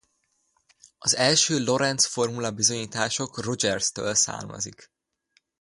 Az első Lorentz-formula bizonyítások Rogers-től származik.